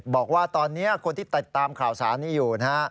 บอกว่าตอนนี้คนที่ติดตามข่าวสารนี้อยู่นะฮะ